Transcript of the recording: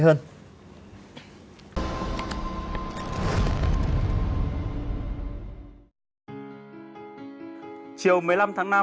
chương trình của học viện âm nhạc quốc gia việt nam